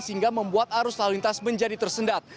sehingga membuat arus lalu lintas menjadi tersendat